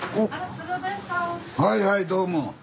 はいはいどうも。